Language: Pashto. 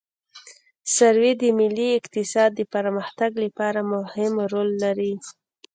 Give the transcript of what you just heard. سروې د ملي اقتصاد د پرمختګ لپاره مهم رول لري